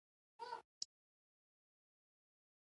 د مالي ادارو ښه مدیریت د اقتصادي ثبات سبب کیږي.